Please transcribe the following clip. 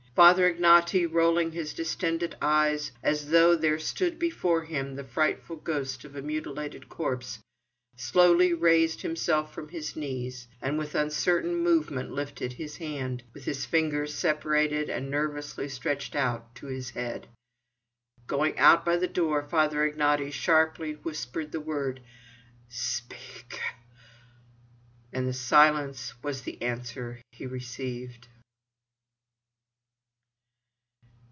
Father Ignaty, rolling his distended eyes, as though there stood before him the frightful ghost of a mutilated corpse, slowly raised himself from his knees, and with uncertain movement lifted his hand, with the fingers separated and nervously stretched out, to his head. Going out by the door, Father Ignaty sharply whispered the word: "Speak!" And silence was the answer he received.